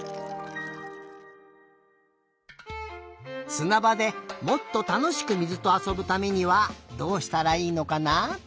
すなばでもっとたのしく水とあそぶためにはどうしたらいいのかな？